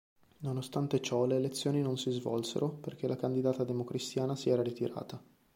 Nonostante ciò le elezioni non si svolsero perché la candidata democristiana si era ritirata.